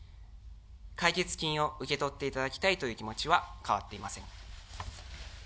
解決金を受け取っていただきたいという気持ちは変わっていません。